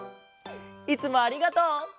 いつもありがとう！